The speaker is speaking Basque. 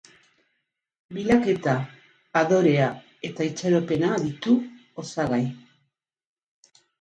Bilaketa, adorea eta itxaropena ditu osagai.